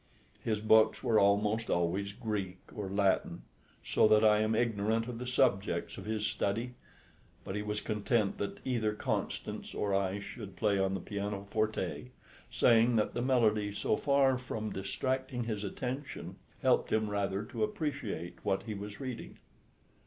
His books were almost always Greek or Latin, so that I am ignorant of the subjects of his study; but he was content that either Constance or I should play on the pianoforte, saying that the melody, so far from distracting his attention, helped him rather to appreciate what he was reading.